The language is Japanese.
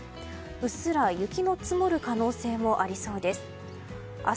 うっすら雪の積もる可能性もありそうです。